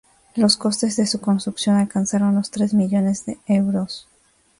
Los costes de su construcción alcanzaron los tres millones de euros.